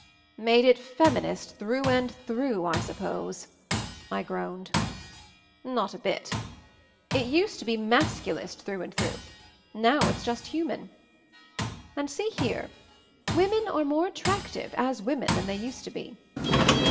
"Made it 'feminist' through and through, I suppose !" I groaned. "Not a bit! It used to be 'masculist'x trough and through; now it's just human,) And, see here — women are more attractive, as women, than they used to be."